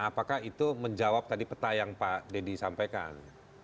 apakah itu menjawab tadi peta yang pak deddy sampaikan